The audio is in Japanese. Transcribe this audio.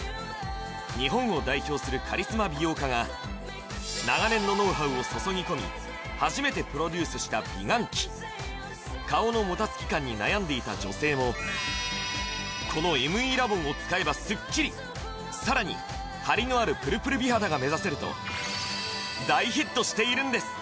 日本を代表するカリスマ美容家が長年のノウハウを注ぎ込み初めてプロデュースした美顔器顔のもたつき感に悩んでいた女性もこのＭＥラボンを使えばスッキリさらにハリのあるプルプル美肌が目指せると大ヒットしているんです